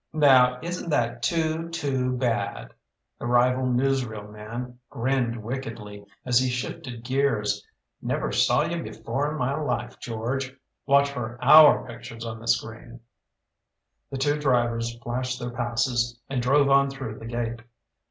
"Now isn't that too, too bad!" The rival newsreel man grinned wickedly as he shifted gears. "Never saw you before in my life, George. Watch for our pictures on the screen!" The two drivers flashed their passes and drove on through the gate.